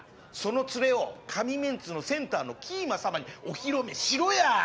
そのツレを神メンツのセンターのキーマ様にお披露目しろや！